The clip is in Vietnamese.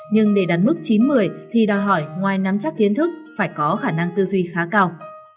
nhưng để đạt mức chín một mươi thì đòi hỏi ngoài nắm chắc kiến thức phải có khả năng tư duy khá cao